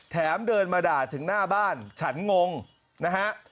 เดินมาด่าถึงหน้าบ้านฉันงงนะฮะ